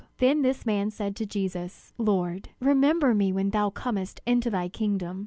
Then this man said to Jesus: "Lord, remember me when thou comest into thy kingdom!"